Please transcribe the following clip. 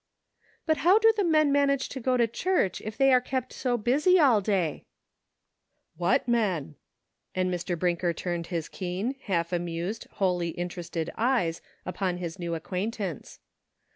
" But how do the men manage to go to church if they are kept so busy all day ?"" What men ?" and Mr. Brinker turned his keen, half amused, wholly interested eyes upon his new acquaintance.